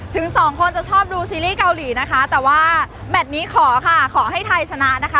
ถึงสองคนจะชอบดูซีรีส์เกาหลีนะคะแต่ว่าแมทนี้ขอค่ะขอให้ไทยชนะนะคะ